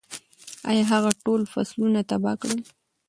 ایا هغه ټول فصلونه تباه کړل؟